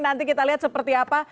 nanti kita lihat seperti apa